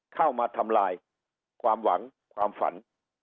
เข้ามาทำลายความหวังความฝัน